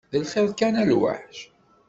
D lxir kan a lwaḥc?